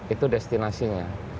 itu destinasi nya